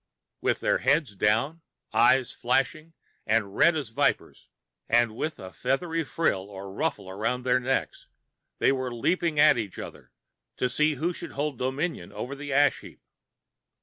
With their heads down, eyes flashing, and red as[Pg 47] vipers, and with a feathery frill or ruffle about their necks, they were leaping at each other, to see who should hold dominion over the ash heap.